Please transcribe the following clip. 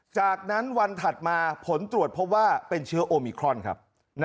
จากนั้นวันถัดมาผลตรวจพบว่าเป็นเชื้อโอมิครอนครับ